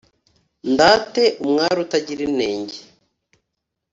ndate umwari utagira inenge